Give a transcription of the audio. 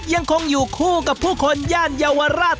ยังคงอยู่คู่กับผู้คนย่านเยาวราช